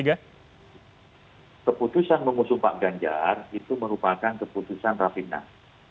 keputusan mengusung pak ganjar itu merupakan keputusan rapimnas